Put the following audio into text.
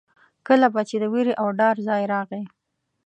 کله به چې د وېرې او ډار ځای راغی.